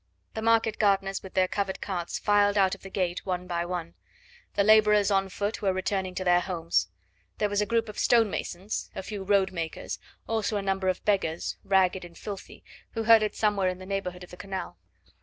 The market gardeners with their covered carts filed out of the gate one by one; the labourers on foot were returning to their homes; there was a group of stonemasons, a few road makers, also a number of beggars, ragged and filthy, who herded somewhere in the neighbourhood of the canal.